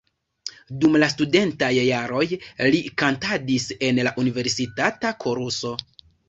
Dum la studentaj jaroj li kantadis en la universitata koruso.